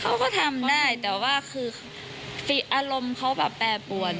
เขาก็ทำได้แต่ว่าคืออารมณ์เขาแบบแปรปวน